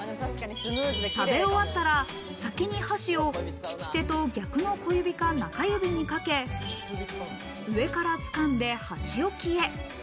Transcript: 食べ終わったら、先に箸を利き手と逆の小指か中指にかけ、上から掴んで箸置きへ。